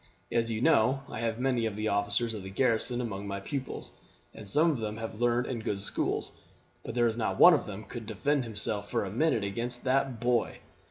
As you know, I have many of the officers of the garrison among my pupils, and some of them have learned in good schools, but there is not one of them could defend himself for a minute against that boy.